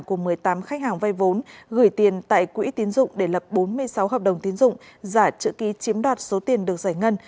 của một mươi tám khách hàng vay vốn gửi tiền tại quỹ tiến dụng để lập bốn mươi sáu hợp đồng tiến dụng giả trữ ký chiếm đoạt số tiền được giải ngân